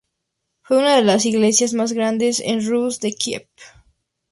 Fue una de las iglesias más grande en Rus de Kiev.